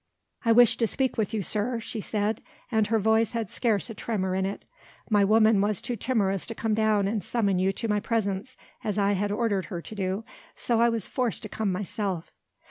"I wished to speak with you, sir," she said, and her voice had scarce a tremor in it, "my woman was too timorous to come down and summon you to my presence, as I had ordered her to do; so I was forced to come myself."